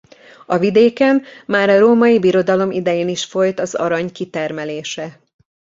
A vidéken már a Római Birodalom idején is folyt az arany kitermelése.